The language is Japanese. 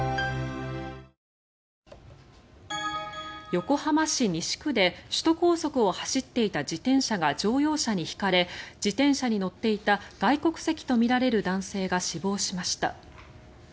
横浜市西区で首都高速を走っていた自転車が乗用車にひかれ自転車に乗っていた外国籍とみられる男性が死亡しました。